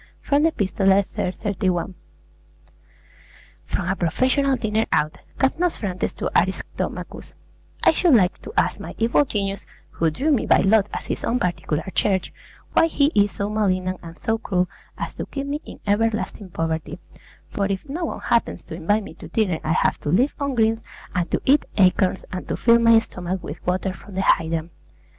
From the 'Epistolae' iii. 31. FROM A PROFESSIONAL DINER OUT CAPNOSPHRANTES TO ARISTOMACHUS I should like to ask my evil genius, who drew me by lot as his own particular charge, why he is so malignant and so cruel as to keep me in everlasting poverty; for if no one happens to invite me to dinner I have to live on greens, and to eat acorns and to fill my stomach with water from the hydrant.